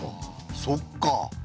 そっか！